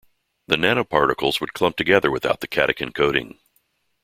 The nanoparticles would clump together without the catechin coating.